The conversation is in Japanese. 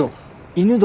犬堂？